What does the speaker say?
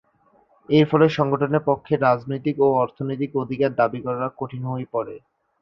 এর ফলে সংগঠনের পক্ষে রাজনৈতিক ও অর্থনৈতিক অধিকার দাবি করা কঠিন হয়ে পড়ে।